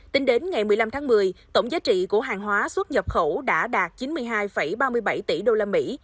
tính đến ngày một mươi năm tháng một mươi tổng giá trị của hàng hóa xuất nhập khẩu đã đạt chín mươi hai ba mươi bảy tỷ đô la mỹ